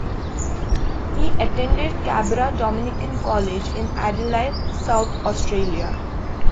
He attended Cabra Dominican College in Adelaide, South Australia.